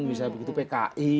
misalnya begitu pki